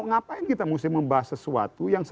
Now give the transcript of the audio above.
mengapa kita harus membahas sesuatu